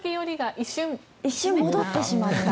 一瞬戻ってしまった。